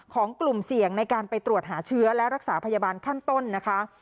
กลุ่มเสี่ยงในการไปตรวจหาเชื้อและรักษาพยาบาลขั้นต้นนะคะ